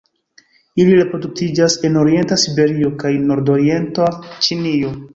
Ili reproduktiĝas en orienta Siberio kaj nordorienta Ĉinio.